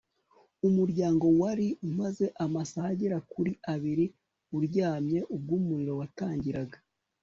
umuryango wari umaze amasaha agera kuri abiri uryamye ubwo umuriro watangiraga